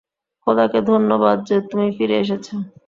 খোদাকে ধন্যবাদ যে তুমি ফিরে এসেছ।